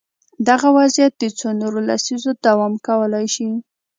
دغه وضعیت د څو نورو لسیزو دوام کولای شي.